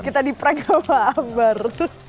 kita di prank sama akbar